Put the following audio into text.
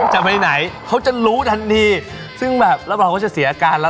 จะไปไหนเขาจะรู้ทันทีซึ่งแบบแล้วเราก็จะเสียอาการแล้ว